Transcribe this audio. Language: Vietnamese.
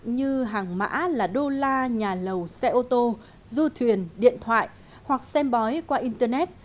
như hàng mã là đô la nhà lầu xe ô tô du thuyền điện thoại hoặc xem bói qua internet